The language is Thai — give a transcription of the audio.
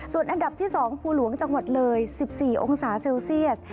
ส่วนอันดับที่๒ภูหลวงจังหวัดเลย๑๔องศาเซลเซียส